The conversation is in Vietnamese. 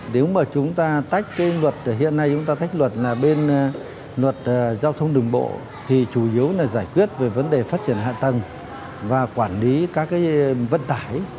nếu mà chúng ta tách cái luật hiện nay chúng ta tách luật là bên luật giao thông đường bộ thì chủ yếu là giải quyết về vấn đề phát triển hạ tầng và quản lý các cái vận tải